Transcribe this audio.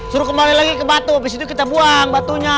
suruh kembali lagi ke batu habis itu kita buang batunya